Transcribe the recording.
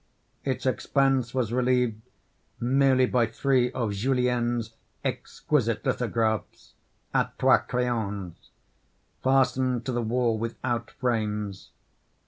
Its expanse was relieved merely by three of Julien's exquisite lithographs a trois crayons, fastened to the wall without frames.